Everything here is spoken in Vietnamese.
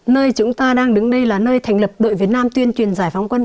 nơi chúng ta đang đứng đây là nơi thành lập đội việt nam tuyên truyền giải phóng quân